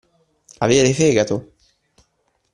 Avere fegato.